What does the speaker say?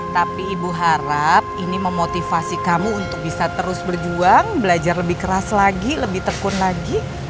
tapi ibu harap ini memotivasi kamu untuk bisa terus berjuang belajar lebih keras lagi lebih tekun lagi